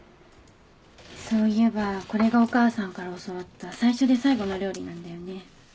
そういえばこれがお母さんから教わった最初で最後の料理なんだよね。